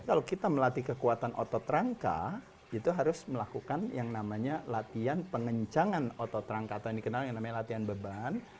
kalau kita melatih kekuatan otot rangka itu harus melakukan yang namanya latihan pengencangan otot rangka atau yang dikenal yang namanya latihan beban